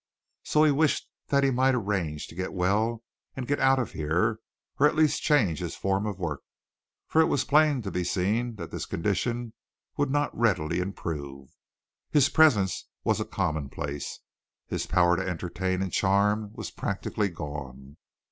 So he wished that he might arrange to get well and get out of here, or at least change his form of work, for it was plain to be seen that this condition would not readily improve. His presence was a commonplace. His power to entertain and charm was practically gone.